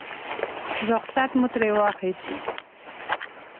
رخصت مو ترې واخیست.